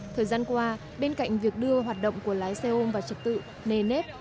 thời gian qua bên cạnh việc đưa hoạt động của lái xe ôm vào trật tự nề nếp